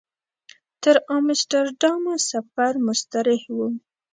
تر امسټرډامه سفر مستریح و.